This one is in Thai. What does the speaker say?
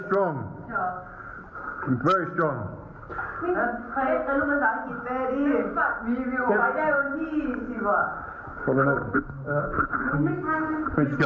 สองคนต้องตาย